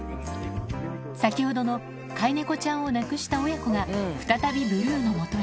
先ほどの飼い猫ちゃんを亡くした親子が、再びブルーのもとへ。